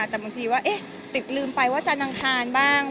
แต่บางทีว่าติดลืมไปว่าจะนางทานบ้าง